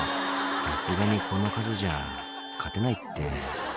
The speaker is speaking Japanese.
「さすがにこの数じゃ勝てないって」